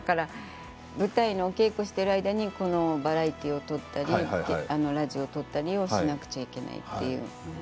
舞台のお稽古をしている間にバラエティーやラジオをとったりしなくてはいけないっていう。